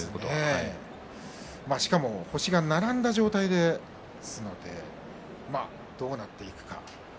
しかも星が並んだ状態でどうなっていくか。